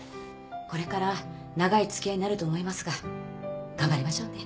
これから長い付き合いになると思いますが頑張りましょうね。